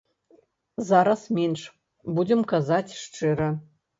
Зараз менш, будзем казаць шчыра.